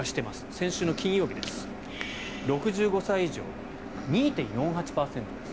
先週の金曜日６５歳以上は２．４８％です。